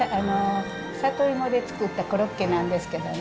里芋で作ったコロッケなんですけどね。